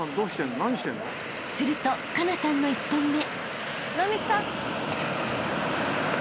［すると佳那さんの１本目］